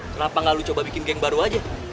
kenapa gak lu coba bikin geng baru aja